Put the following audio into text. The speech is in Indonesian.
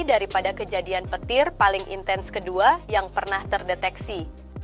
daripada kejadian petir paling intens kedua yang pernah terdeteksi